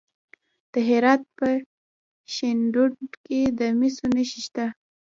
د هرات په شینډنډ کې د مسو نښې شته.